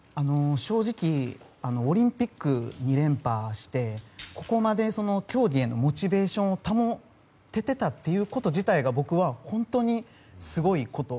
正直オリンピック２連覇してここまで競技へのモチベーションを保ててたということ自体が僕は本当にすごいこと。